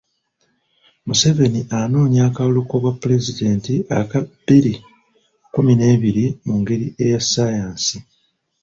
Museveni anoonya akalulu k'obwapulezidenti aka bbiri kkumi n'ebiri mungeri eya ssaayansi .